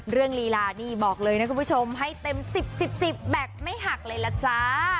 เรื่องลีลานี่บอกเลยนะคุณผู้ชมให้เต็มสิบแบกไม่หักเลยล่ะจ๊ะ